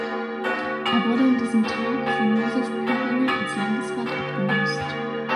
Er wurde an diesem Tag von Josef Pühringer als Landesrat abgelöst.